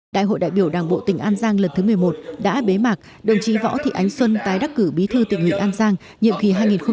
đại hội đại biểu đảng bộ tỉnh an giang lần thứ một mươi một đã bế mạc đồng chí võ thị ánh xuân tái đắc cử bí thư tỉnh ủy an giang nhiệm kỳ hai nghìn hai mươi hai nghìn hai mươi năm